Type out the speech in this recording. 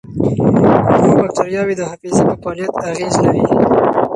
کولمو بکتریاوې د حافظې په فعالیت اغېز لري.